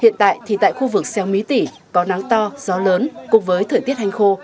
hiện tại thì tại khu vực xeo mỹ tỉ có nắng to gió lớn cùng với thời tiết hành khô